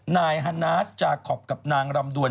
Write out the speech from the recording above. นายฮานาสจาคอปกับนางรำดวน